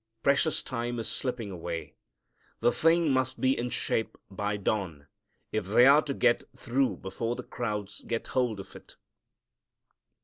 Precious time is slipping away. The thing must be in shape by dawn if they are to get it through before the crowds get hold of it.